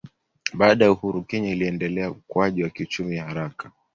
Baada ya uhuru Kenya iliendeleza ukuaji wa kiuchumi haraka